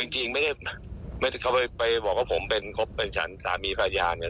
จริงไม่เค้าบอกว่าผมเป็นทรัพย์เป็นสามีคราชญาเนี่ย